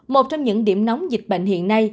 một trong những điểm nóng dịch bệnh hiện nay